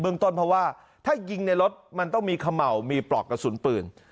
ต้นเพราะว่าถ้ายิงในรถมันต้องมีเขม่าวมีปลอกกระสุนปืน